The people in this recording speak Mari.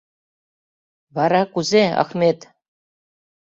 Вара — кузе, Ахмет?